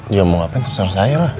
dia mau ngapain sesar saya lah